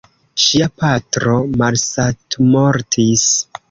Ŝia patro malsatmortis.